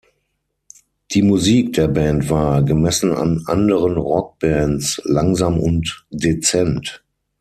Die Musik der Band war, gemessen an anderen Rockbands, langsam und dezent.